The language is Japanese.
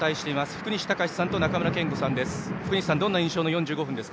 福西崇史さんと中村憲剛さんです。